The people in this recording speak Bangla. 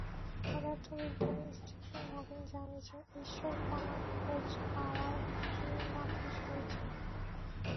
পদার্থ বিজ্ঞানী স্টিফেন হকিংস জানিয়েছেন, ঈশ্বর কণার খোঁজ পাওয়ায় তিনি নাখোশ হয়েছেন।